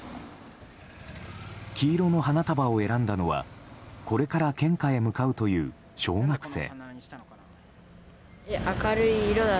黄色の花束を選んだのはこれから献花へ向かうという小学生。